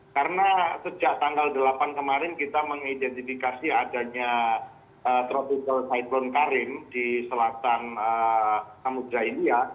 karena sejak tanggal delapan kemarin kita mengidentifikasi adanya tropical cyclone karim di selatan samudera india